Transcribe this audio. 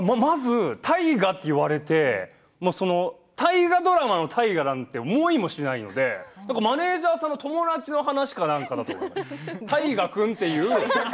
大河と言われて大河ドラマの大河なんて思いもしないのでマネージャーさんの友達の話かと思ってたいが君という。